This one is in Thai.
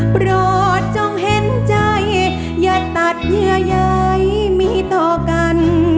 โปรดจงเห็นใจอย่าตัดเยื่อใยมีต่อกัน